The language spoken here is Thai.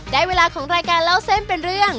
ได้เวลาของรายการเล่าเส้นเป็นเรื่อง